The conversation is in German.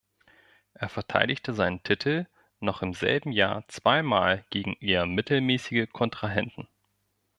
Er verteidigte seinen Titel noch im selben Jahr zwei Mal gegen eher mittelmäßige Kontrahenten.